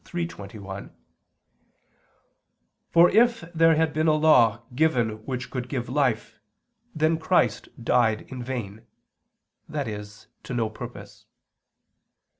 3:21): "For if there had been a law given which could give life then Christ died in vain," i.e. to no purpose.